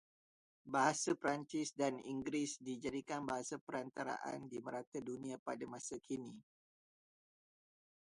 Bahasa Perancis dan Inggeris dijadikan bahasa perantaraan di merata dunia pada masa kini